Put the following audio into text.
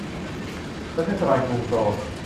และเทศบาลกรุงโซล